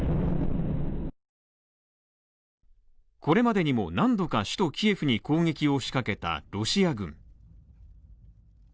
これまでにも何度か首都キエフに攻撃を仕掛けたロシア軍。